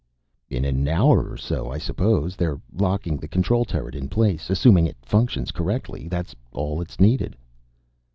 "In an hour or so, I suppose. They're locking the control turret in place. Assuming it functions correctly, that's all that's needed."